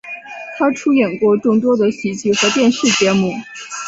他出演过众多的喜剧和电视节目。